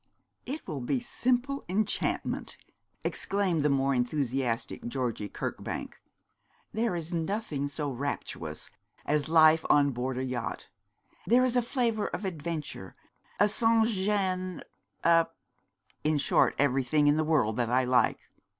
'It will be simple enchantment,' exclaimed the more enthusiastic Georgie Kirkbank. 'There is nothing so rapturous as life on board a yacht; there is a flavour of adventure, a sansgêne, a in short everything in the world that I like.